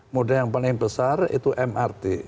mode yang paling besar itu mrt